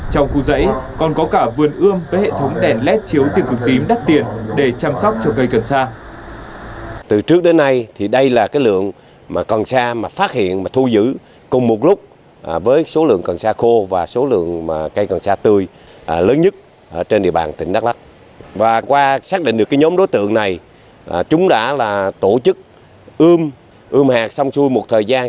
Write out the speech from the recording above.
trong khu dãy còn có cả vườn ươm với hệ thống đèn led chiếu tiền cực tím đắt tiền để chăm sóc cho cây cần xa